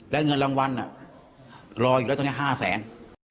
และเงินรางวัลรออยู่แล้วตอนนี้๕แสน